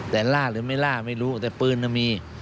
แต่ล่าหรือไม่ล่าไม่รู้แต่ปืนมี